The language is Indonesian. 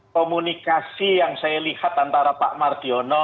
komunikasi yang saya lihat antara pak mardiono